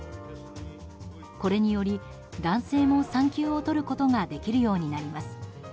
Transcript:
これにより男性も産休を取ることができるようになります。